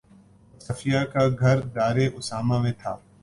اور صفیہ کا گھر دارِ اسامہ میں تھا